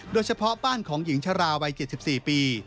โดยเฉพาะบ้านของหญิงชราวัย๗๔ปี